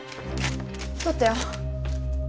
取ったよ。